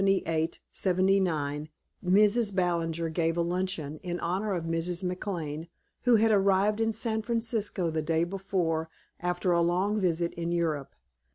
XLVII In the winter of 1878 79 Mrs. Ballinger gave a luncheon in honor of Mrs. McLane, who had arrived in San Francisco the day before after a long visit in Europe.